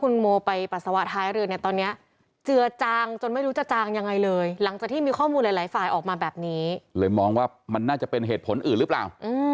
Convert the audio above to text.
ในตอนเนี้ยเจือจางจนไม่รู้จะจางยังไงเลยหลังจากที่มีข้อมูลหลายหลายฝ่ายออกมาแบบนี้เลยมองว่ามันน่าจะเป็นเหตุผลอื่นหรือเปล่า